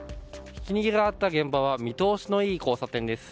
ひき逃げがあった現場は見通しのいい交差点です。